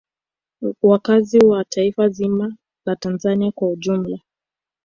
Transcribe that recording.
Wakazi wa taifa zima la Tanzania kwa ujumla